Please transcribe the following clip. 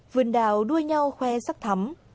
vườn đào đua nhau khoe sắc thắm